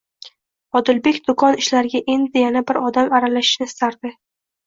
Odilbek do'kon ishlariga endi yana bir odam aralashishini istardi.